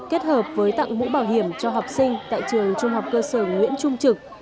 kết hợp với tặng mũ bảo hiểm cho học sinh tại trường trung học cơ sở nguyễn trung trực